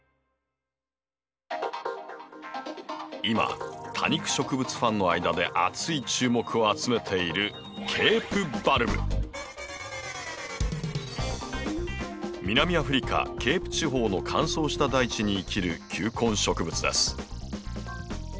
今多肉植物ファンの間で熱い注目を集めている南アフリカケープ地方の乾燥した大地に生きる球根植物です。